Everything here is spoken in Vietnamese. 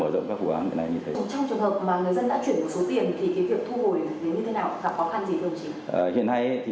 trong trường hợp mà người dân đã chuyển một số tiền thì cái việc thu hồi đến như thế nào là khó khăn gì thưa bác chí